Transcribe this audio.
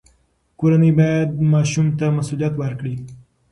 کورنۍ باید ماشوم ته مسوولیت ورکړي.